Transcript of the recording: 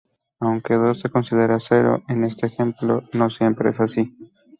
Aunque Do se considera cero en este ejemplo, no siempre es así.